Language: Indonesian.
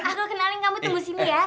aku kenalin kamu tunggu sini ya